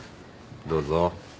どうぞ。